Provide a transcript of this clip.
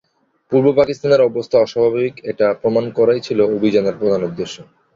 পূর্ব পাকিস্তানের অবস্থা অস্বাভাবিক এটা প্রমাণ করাই ছিল অভিযানের প্রধান উদ্দেশ্য।